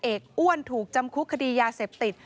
อ้วนถูกจำคุกคดียาเสพติด